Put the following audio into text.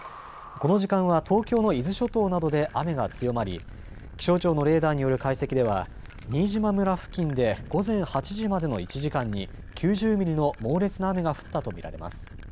この時間は東京の伊豆諸島などで雨が強まり気象庁のレーダーによる解析では新島村付近で午前８時までの１時間に９０ミリの猛烈な雨が降ったと見られます。